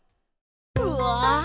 うわ！